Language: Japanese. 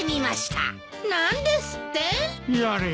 何ですってー！？